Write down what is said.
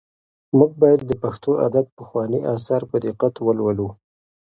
موږ باید د پښتو ادب پخواني اثار په دقت ولولو.